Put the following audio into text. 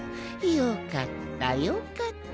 よかったよかった。